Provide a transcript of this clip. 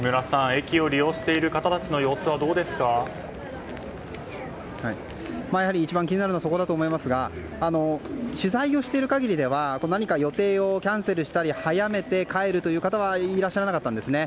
駅を利用している方たちの様子は一番気になるのはそこだと思いますが取材をしている限りでは予定をキャンセルしたり早めて帰るという方はいらっしゃらなかったんですね。